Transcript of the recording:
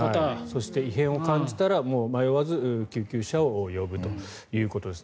そして、異変を感じたら迷わず救急車を呼ぶということです。